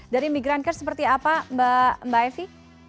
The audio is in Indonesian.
dari migrant care seperti apa mbak evi